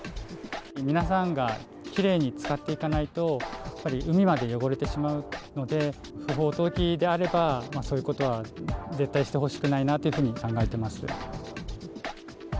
皆さんがきれいに使っていかないと、やっぱり海まで汚れてしまうので、不法投棄であれば、そういうことは絶対してほしくないなというふうに考えてます。